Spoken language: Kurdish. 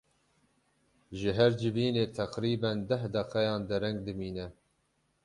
Ji her civînê teqrîben deh deqeyan dereng dimîne.